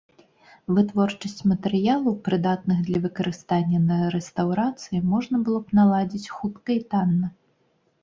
Вытворчасць матэрыялаў, прыдатных для выкарыстання на рэстаўрацыі, можна было б наладзіць хутка і танна.